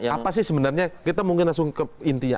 apa sih sebenarnya kita mungkin langsung ke intinya